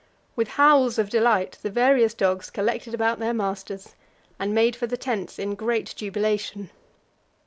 With howls of delight the various dogs collected about their masters, and made for the tents in great jubilation.